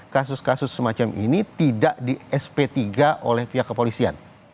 kasus kasus semacam ini tidak di sp tiga oleh pihak kepolisian